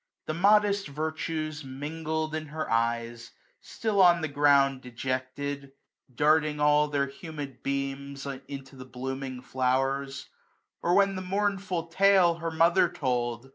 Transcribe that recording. The modest virtues mingled in her eyes, 195 Still on the ground dejected, darting all Their humid beams into the blooming flowers : Or when the mournful tale her mother told.